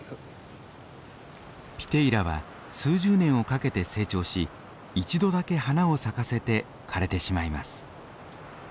ピテイラは数十年をかけて成長し一度だけ花を咲かせて枯れてしまいます。